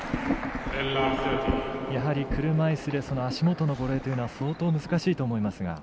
やはり車いすですと足元のボレーというのは相当、難しいと思いますが。